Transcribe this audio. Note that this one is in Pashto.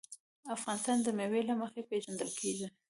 افغانستان د مېوې له مخې پېژندل کېږي.